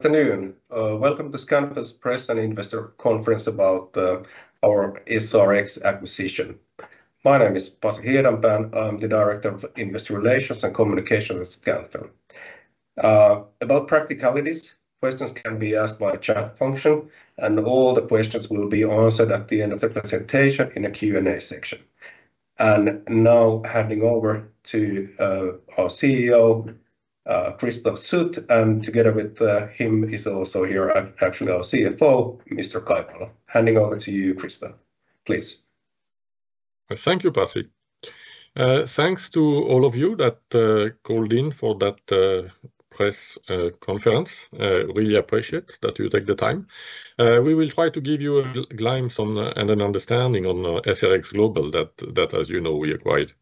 Afternoon. Welcome to Scanfil's Press and Investor Conference about our SRX acquisition. My name is Pasi Hiedanpää. I'm the Director of Investor Relations and Communications at Scanfil. About practicalities, questions can be asked by the chat function, and all the questions will be answered at the end of the presentation in a Q&A section. Now, handing over to our CEO, Christophe Sut. Together with him is also here, actually, our CFO, Mr. Kai Valo. Handing over to you, Christophe, please. Thank you, Pasi. Thanks to all of you that called in for that press conference. Really appreciate that you take the time. We will try to give you a glimpse on the and an understanding on SRX Global that, as you know, we acquired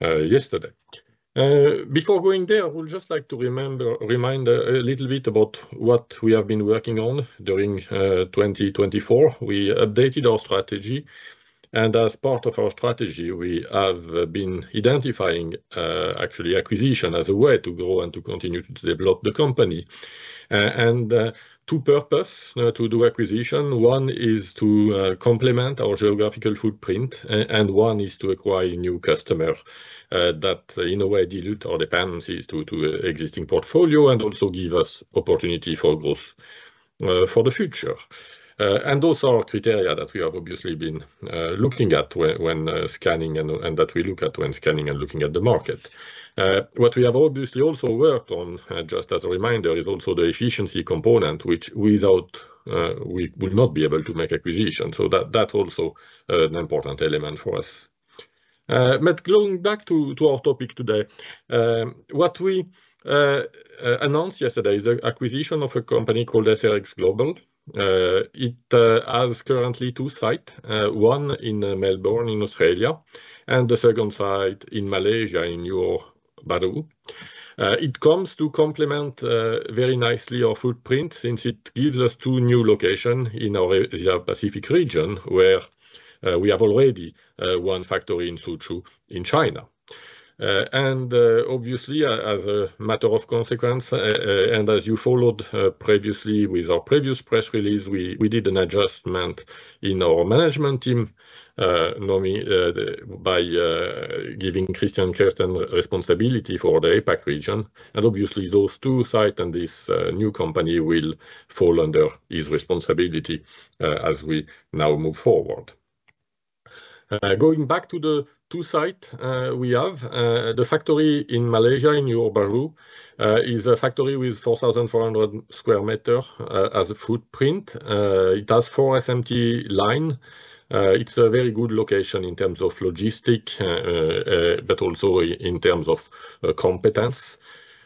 yesterday. Before going there, I would just like to remind a little bit about what we have been working on during 2024. We updated our strategy, and as part of our strategy, we have been identifying actually acquisition as a way to go and to continue to develop the company. And two purposes to do acquisition, one is to complement our geographical footprint, and one is to acquire new customers that in a way dilute our dependencies to existing portfolio and also give us opportunity for growth for the future. And those are our criteria that we have obviously been looking at when scanning and that we look at when scanning and looking at the market. What we have obviously also worked on, just as a reminder, is also the efficiency component, which without we would not be able to make acquisitions. So that that's also an important element for us. But going back to our topic today, what we announced yesterday is the acquisition of a company called SRX Global. It has currently two sites, one in Melbourne, in Australia, and the second site in Malaysia, in Johor Bahru. It comes to complement very nicely our footprint, since it gives us two new locations in our Asia Pacific region, where we have already one factory in Suzhou, in China. And obviously, as a matter of consequence, and as you followed previously with our previous press release, we did an adjustment in our management team, normally by giving Christian Kjesten responsibility for the APAC region. And obviously, those two sites and this new company will fall under his responsibility as we now move forward. Going back to the two sites, we have the factory in Malaysia, in Johor Bahru, is a factory with 4,400 square meters as a footprint. It has four SMT lines. It is a very good location in terms of logistics, but also in terms of competence.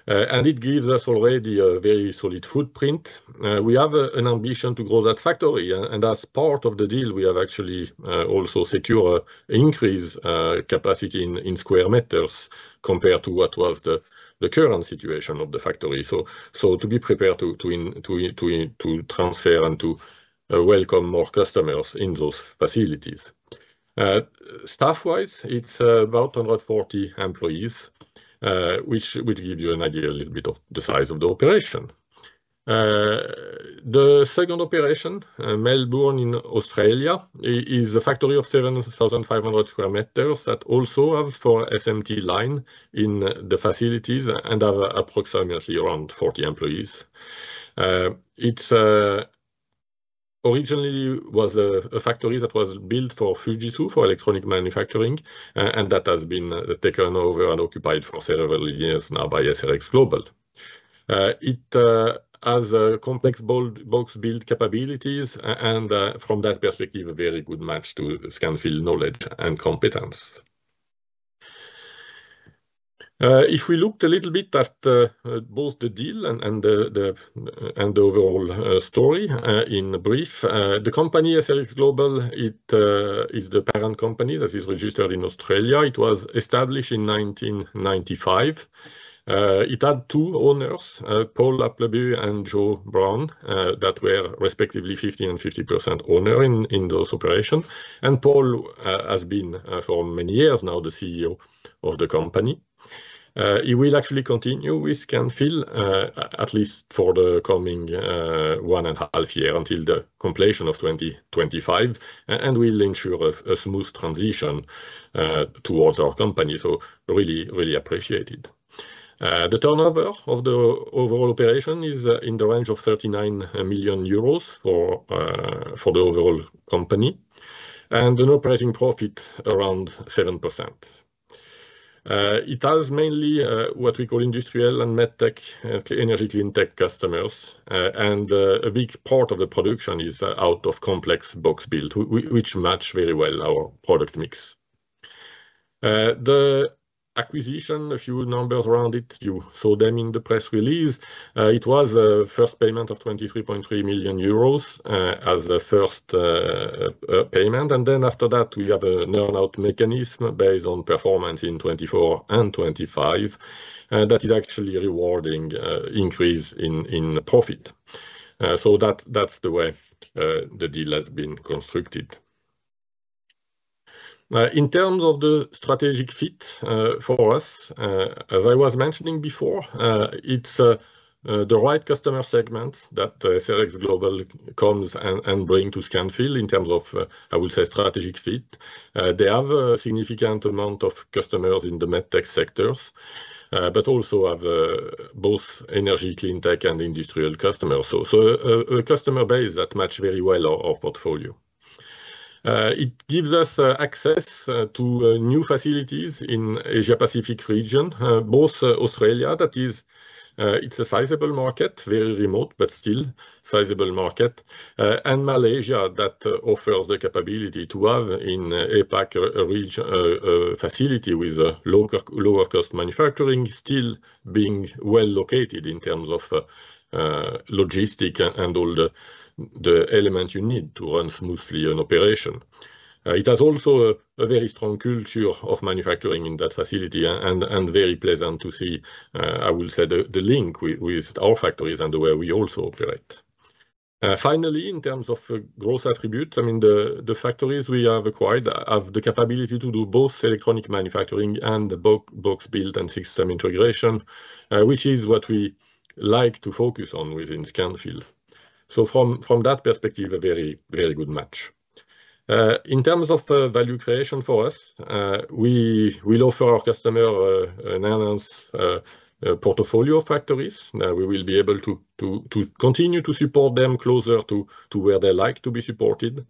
And it gives us already a very solid footprint. We have an ambition to grow that factory, and as part of the deal, we have actually also secured an increase in capacity in square meters compared to what was the current situation of the factory. To be prepared to transfer and to welcome more customers in those facilities. Staff-wise, it's about 140 employees, which would give you an idea, a little bit of the size of the operation. The second operation, Melbourne in Australia, is a factory of 7,500 sq m that also have 4 SMT lines in the facilities and have approximately around 40 employees. It originally was a factory that was built for Fujitsu, for electronic manufacturing, and that has been taken over and occupied for several years now by SRX Global. It has a complex box build capabilities and, from that perspective, a very good match to Scanfil knowledge and competence. If we looked a little bit at both the deal and the overall story in brief, the company, SRX Global, it is the parent company that is registered in Australia. It was established in 1995. It had two owners, Paul Appleby and Joe Brown, that were respectively 50% and 50% owner in those operations. And Paul has been for many years now the CEO of the company. He will actually continue with Scanfil at least for the coming one and a half year, until the completion of 2025, and will ensure a smooth transition towards our company. So really, really appreciated. The turnover of the overall operation is in the range of 39 million euros for the overall company, and an operating profit around 7%. It has mainly what we call industrial and MedTech, energy cleantech customers. And a big part of the production is out of complex box build, which match very well our product mix. The acquisition, a few numbers around it, you saw them in the press release. It was a first payment of 23.3 million euros as the first payment, and then after that, we have an earn-out mechanism based on performance in 2024 and 2025. That is actually rewarding increase in profit. So that's the way the deal has been constructed. In terms of the strategic fit, for us, as I was mentioning before, it's the right customer segment that SRX Global comes and bring to Scanfil in terms of, I would say, strategic fit. They have a significant amount of customers in the MedTech sectors, but also have both energy, cleantech and industrial customers. So, a customer base that match very well our portfolio. It gives us access to new facilities in Asia Pacific region. Both Australia, that is, it's a sizable market, very remote, but still sizable market, and Malaysia, that offers the capability to have in APAC region a facility with a lower cost manufacturing, still being well located in terms of logistics and all the elements you need to run smoothly an operation. It has also a very strong culture of manufacturing in that facility and very pleasant to see, I will say the link with our factories and the way we also operate. Finally, in terms of growth attributes, I mean, the factories we have acquired have the capability to do both electronic manufacturing and the box build and system integration, which is what we like to focus on within Scanfil. So from that perspective, a very, very good match. In terms of value creation for us, we will offer our customer an enhanced portfolio of factories. We will be able to continue to support them closer to where they like to be supported.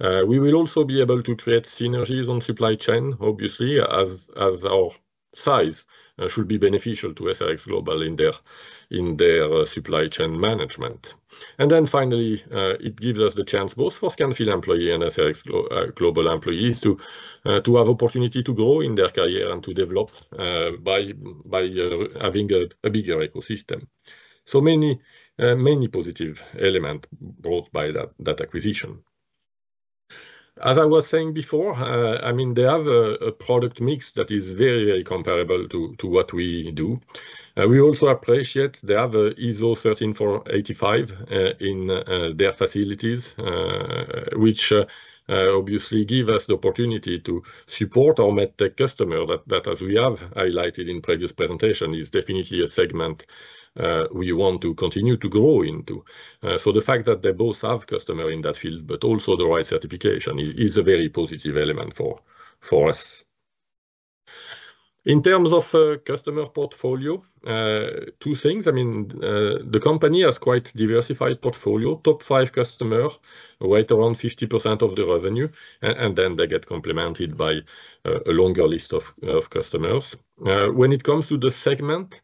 We will also be able to create synergies on supply chain, obviously, as our size should be beneficial to SRX Global in their supply chain management. And then finally, it gives us the chance, both for Scanfil employee and SRX Global employees, to have opportunity to grow in their career and to develop by having a bigger ecosystem. So many positive element brought by that acquisition. As I was saying before, I mean, they have a product mix that is very, very comparable to what we do. We also appreciate they have an ISO 13485 in their facilities, which obviously gives us the opportunity to support our MedTech customers, that as we have highlighted in previous presentation, is definitely a segment we want to continue to grow into. So the fact that they both have customers in that field, but also the right certification, is a very positive element for us. In terms of customer portfolio, two things, I mean, the company has quite diversified portfolio. Top five customers weigh around 50% of the revenue, and then they get complemented by a longer list of customers. When it comes to the segment,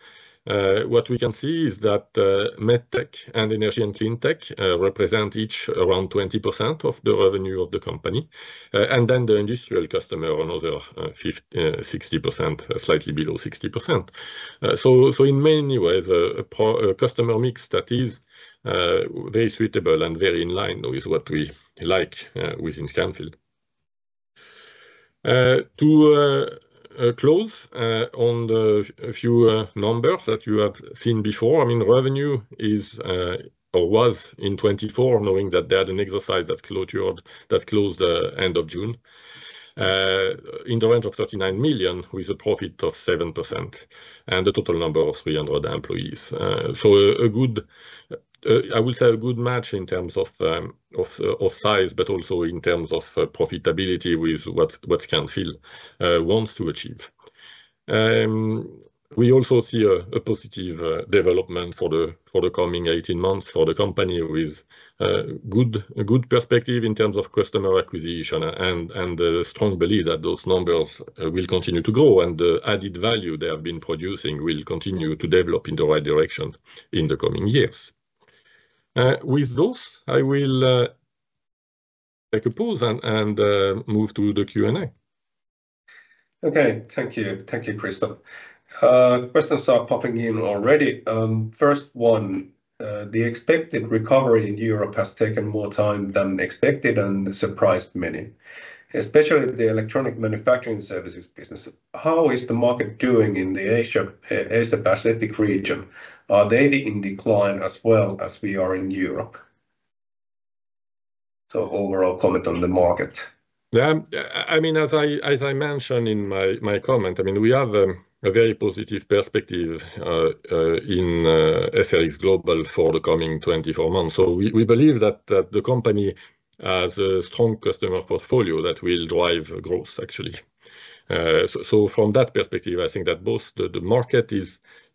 what we can see is that MedTech and energy and cleantech represent each around 20% of the revenue of the company, and then the industrial customer, another 60%, slightly below 60%. So in many ways, a customer mix that is very suitable and very in line with what we like within Scanfil. To close on the few numbers that you have seen before, I mean, revenue is or was in 2024, knowing that they had an exercise that closed the end of June, in the range of 39 million, with a profit of 7% and a total number of 300 employees. So, a good, I would say a good match in terms of size, but also in terms of profitability with what Scanfil wants to achieve. We also see a positive development for the coming eighteen months for the company, with a good perspective in terms of customer acquisition and a strong belief that those numbers will continue to grow, and the added value they have been producing will continue to develop in the right direction in the coming years. With those, I will take a pause and move to the Q&A. Okay. Thank you. Thank you, Christophe. Questions are popping in already. First one: The expected recovery in Europe has taken more time than expected and surprised many, especially the electronic manufacturing services business. How is the market doing in the Asia Pacific region? Are they in decline as well as we are in Europe? So overall comment on the market. Yeah, I mean, as I mentioned in my comment, I mean, we have a very positive perspective in SRX Global for the coming 24 months. So we believe that the company has a strong customer portfolio that will drive growth, actually. So from that perspective, I think that both the market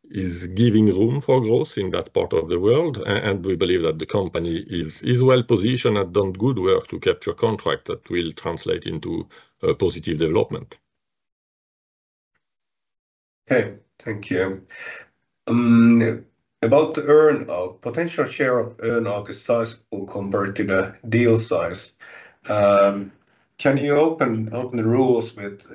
is giving room for growth in that part of the world, and we believe that the company is well positioned and done good work to capture contract that will translate into a positive development. Okay, thank you. About the earn-out, potential share of earn-out is size or compared to the deal size. Can you open the rules with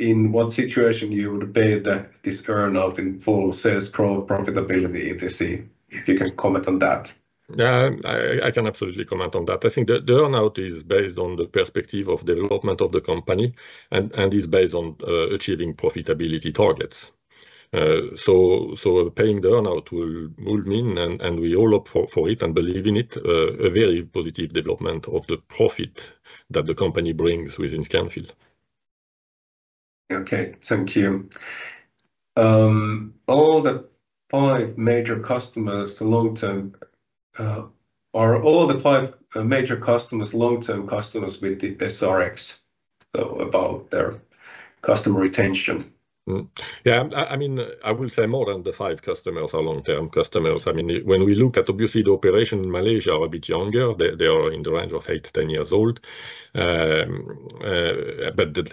in what situation you would pay this earn-out in full sales profitability, etc.? If you can comment on that. Yeah, I can absolutely comment on that. I think the earn-out is based on the perspective of development of the company and is based on achieving profitability targets. So paying the earn-out will mean, and we all hope for it and believe in it, a very positive development of the profit that the company brings within Scanfil. Okay, thank you. Are all the five major customers long-term customers with the SRX, so about their customer retention? Yeah, I mean, I will say more than the five customers are long-term customers. I mean, when we look at, obviously, the operation in Malaysia are a bit younger. They are in the range of eight to 10 years old. But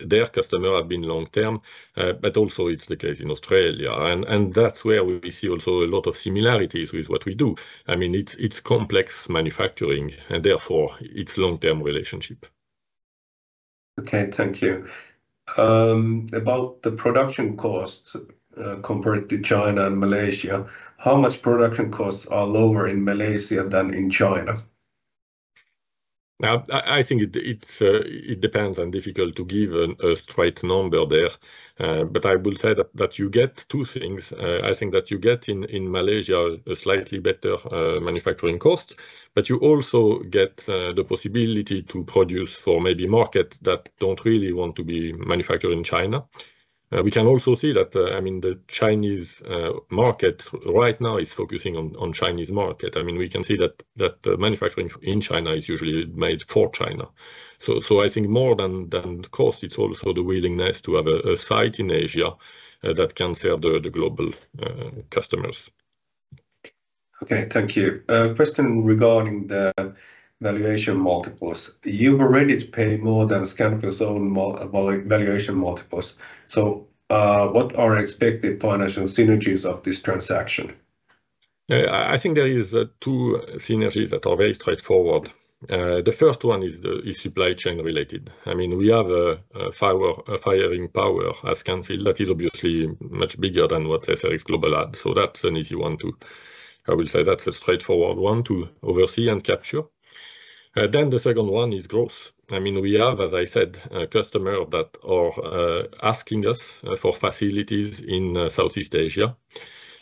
their customer have been long-term, but also it's the case in Australia, and that's where we see also a lot of similarities with what we do. I mean, it's complex manufacturing, and therefore, it's long-term relationship. Okay. Thank you. About the production costs, compared to China and Malaysia, how much production costs are lower in Malaysia than in China? Now, I think it's difficult to give a straight number there, but I will say that you get two things. I think that you get in Malaysia a slightly better manufacturing cost, but you also get the possibility to produce for maybe markets that don't really want to be manufactured in China. We can also see that, I mean, the Chinese market right now is focusing on Chinese market. I mean, we can see that the manufacturing in China is usually made for China. So I think more than cost, it's also the willingness to have a site in Asia that can serve the global customers. Okay. Thank you. Question regarding the valuation multiples. You've already paid more than Scanfil's own valuation multiples, so, what are expected financial synergies of this transaction? Yeah, I think there is two synergies that are very straightforward. The first one is supply chain related. I mean, we have a firing power as Scanfil that is obviously much bigger than what SRX Global had, so that's an easy one, too. I will say that's a straightforward one to oversee and capture. Then the second one is growth. I mean, we have, as I said, a customer that are asking us for facilities in Southeast Asia,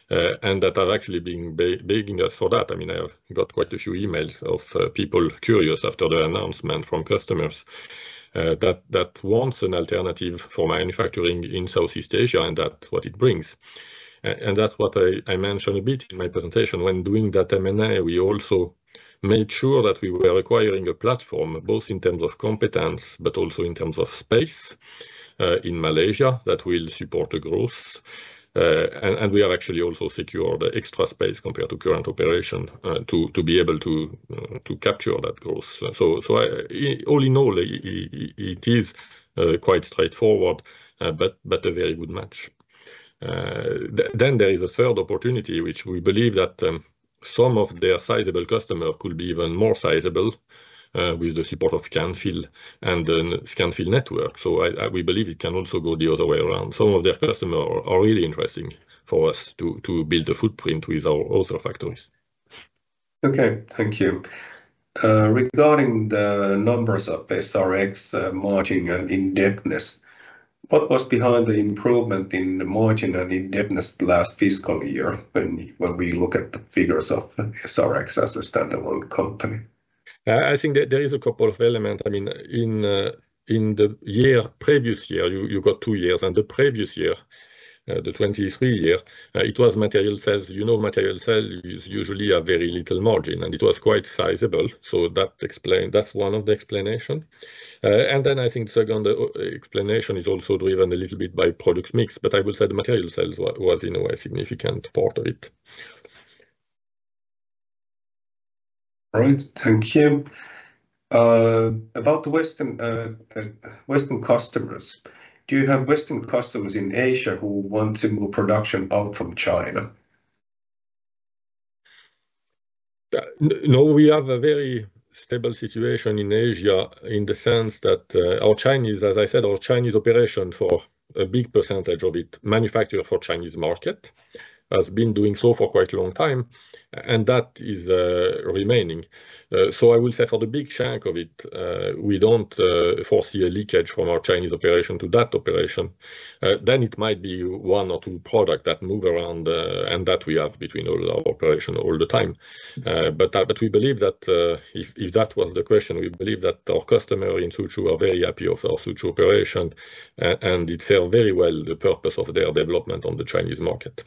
and that are actually being begging us for that. I mean, I have got quite a few emails of people curious after the announcement from customers that wants an alternative for manufacturing in Southeast Asia, and that's what it brings. And that's what I mentioned a bit in my presentation. When doing that M&A, we also made sure that we were acquiring a platform, both in terms of competence, but also in terms of space, in Malaysia, that will support the growth. We have actually also secured extra space compared to current operation, to be able to capture that growth. All in all, it is quite straightforward, but a very good match. There is a third opportunity, which we believe that some of their sizable customer could be even more sizable, with the support of Scanfil and the Scanfil network. We believe it can also go the other way around. Some of their customer are really interesting for us to build a footprint with our other factories. Okay. Thank you. Regarding the numbers of SRX, margin and indebtedness, what was behind the improvement in the margin and indebtedness last fiscal year when we look at the figures of SRX as a standalone company? I think there is a couple of elements. I mean, in the previous year, you got two years, and the previous year, the 2023 year, it was material sales. You know, material sale is usually a very little margin, and it was quite sizable, so that explain. That's one of the explanation. And then I think the second explanation is also driven a little bit by product mix, but I will say the material sales was, in a way, a significant part of it. All right. Thank you. About the Western customers, do you have Western customers in Asia who want to move production out from China? Yeah. No, we have a very stable situation in Asia in the sense that, our Chinese, as I said, our Chinese operation, for a big percentage of it, manufacture for Chinese market, has been doing so for quite a long time, and that is, remaining. So I will say for the big chunk of it, we don't, foresee a leakage from our Chinese operation to that operation. Then it might be one or two product that move around, and that we have between all of our operation all the time. But we believe that, if that was the question, we believe that our customer in Suzhou are very happy of our Suzhou operation, and it serve very well the purpose of their development on the Chinese market.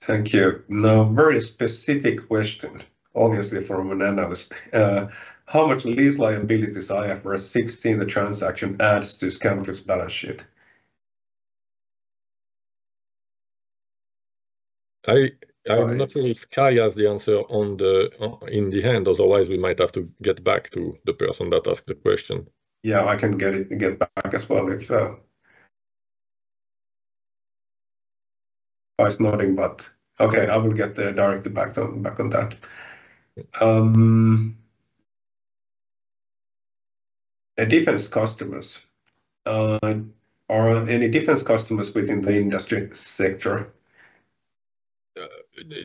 Thank you. Now, very specific question, obviously from an analyst. How much lease liabilities IFRS 16 the transaction adds to Scanfil's balance sheet? I'm not sure if Kai has the answer at hand. Otherwise, we might have to get back to the person that asked the question. Yeah, I can get it, get back as well if Kai's nodding, but okay, I will get the directly back on, back on that. The defense customers, are any defense customers within the industry sector?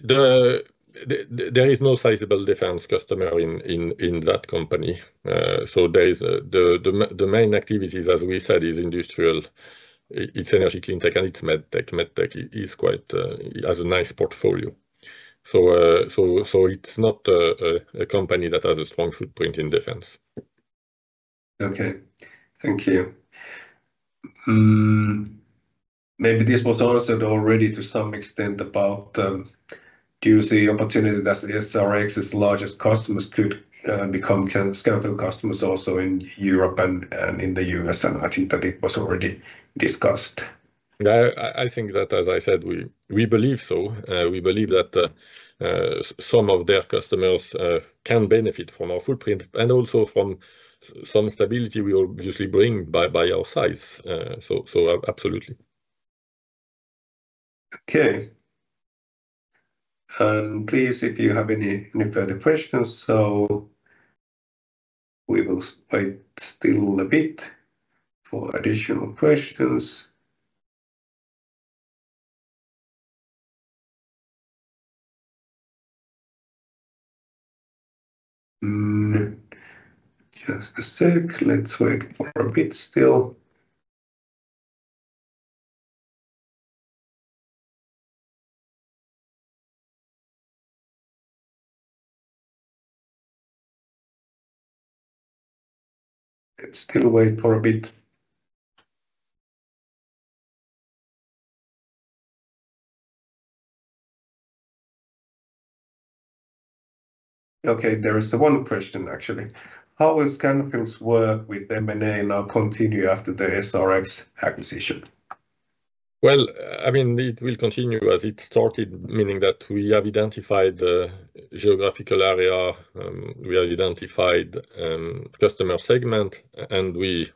There is no sizable defense customer in that company. The main activities, as we said, is industrial. It's energy cleantech, and it's MedTech. MedTech is quite. It has a nice portfolio, so it's not a company that has a strong footprint in defense. Okay. Thank you. Maybe this was answered already to some extent about, do you see opportunity that the SRX's largest customers could become Scanfil customers also in Europe and in the US? And I think that it was already discussed. Yeah, I think that, as I said, we believe so. We believe that some of their customers can benefit from our footprint and also from some stability we obviously bring by our size. So absolutely. Okay. And please, if you have any further questions, we will wait still a bit for additional questions. Just a sec. Let's wait for a bit still. Okay, there is one question, actually. How will Scanfil's work with M&A now continue after the SRX acquisition? Well, I mean, it will continue as it started, meaning that we have identified the geographical area, we have identified customer segment, and we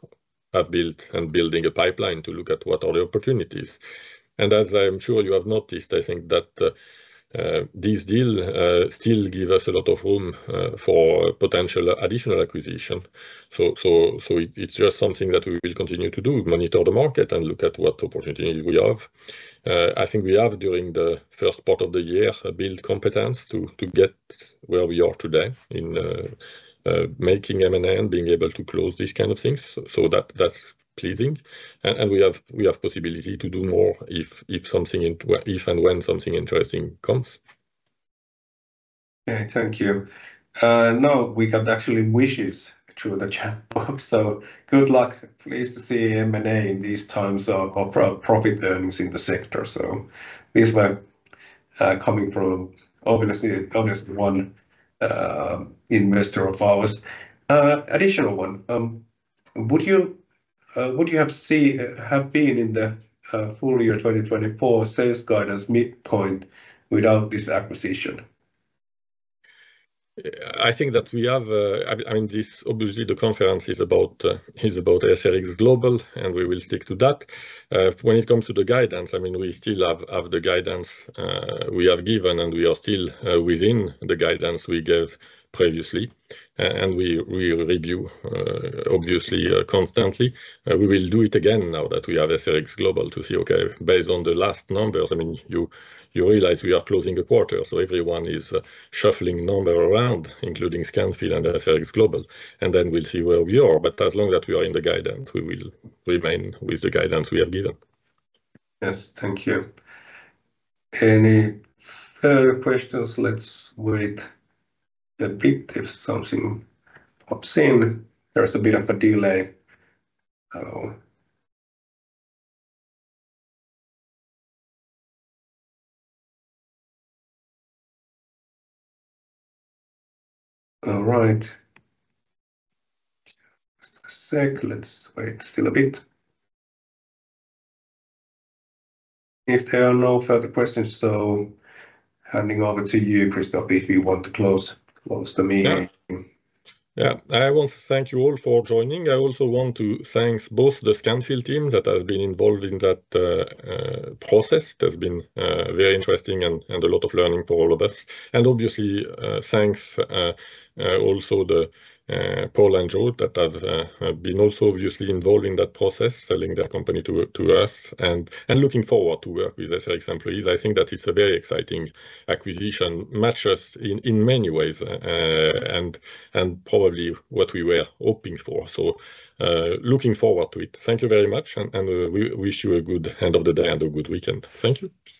have built and building a pipeline to look at what are the opportunities. And as I'm sure you have noticed, I think that this deal still give us a lot of room for potential additional acquisition. So it’s just something that we will continue to do, monitor the market and look at what opportunities we have. I think we have, during the first part of the year, build competence to get where we are today in making M&A and being able to close these kind of things. So that's pleasing, and we have possibility to do more if and when something interesting comes. Okay, thank you. Now, we got actually wishes through the chat box, so good luck. Pleased to see M&A in these times of poor profit earnings in the sector. So these were coming from obviously one investor of ours. Additional one, would you have been in the full year 2024 sales guidance midpoint without this acquisition? I think that we have, I mean, this obviously, the conference is about SRX Global, and we will stick to that. When it comes to the guidance, I mean, we still have the guidance we have given, and we are still within the guidance we gave previously, and we review obviously constantly. We will do it again now that we have SRX Global to see, okay, based on the last numbers, I mean, you realize we are closing a quarter, so everyone is shuffling numbers around, including Scanfil and SRX Global, and then we'll see where we are, but as long as we are in the guidance, we will remain with the guidance we have given. Yes. Thank you. Any further questions? Let's wait a bit if something pops in. There's a bit of a delay. All right. Just a sec. Let's wait still a bit. If there are no further questions, so handing over to you, Christophe, if you want to close, close the meeting. Yeah. Yeah. I want to thank you all for joining. I also want to thank both the Scanfil team that has been involved in that process, that's been very interesting and a lot of learning for all of us. And obviously, thanks also the Paul and Joe, that have been also obviously involved in that process, selling their company to us, and looking forward to work with SRX employees. I think that it's a very exciting acquisition, matches in many ways, and probably what we were hoping for, so looking forward to it. Thank you very much, and we wish you a good end of the day and a good weekend. Thank you.